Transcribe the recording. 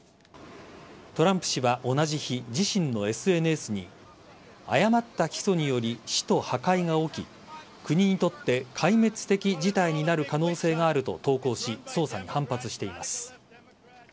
トランプ氏は同じ日自身のＳＮＳに誤った起訴により死と破壊が起き国にとって壊滅的事態になる可能性があると投稿し捜査に反発しています。